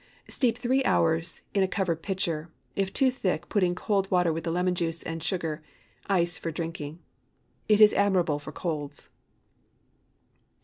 Steep three hours in a covered pitcher. If too thick, put in cold water with the lemon juice and sugar. Ice for drinking. It is admirable for colds.